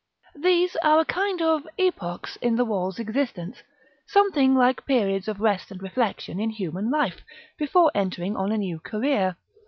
These are a kind of epochs in the wall's existence; something like periods of rest and reflection in human life, before entering on a new career.